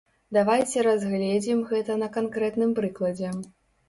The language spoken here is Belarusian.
Давайце разгледзім гэта на канкрэтным прыкладзе.